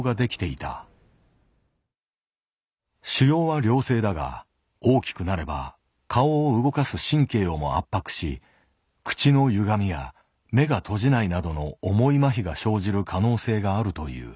腫瘍は良性だが大きくなれば顔を動かす神経をも圧迫し口のゆがみや目が閉じないなどの重い麻痺が生じる可能性があるという。